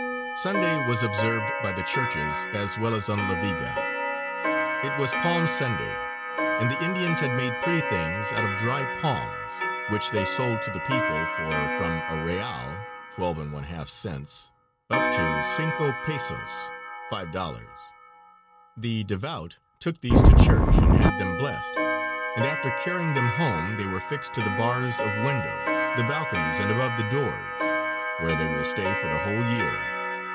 Sunday was observed by the churches as well as on La Viga. It was Palm Sunday, and the Indians had made pretty things out of dry palms which they sold to the people for from a real (twelve and one half cents) up to cinco pesos ($5). The devout took these to church and had them blessed, and after carrying them home they were fixed to the bars of windows, the balconies and above the doors, where they will stay for the whole year.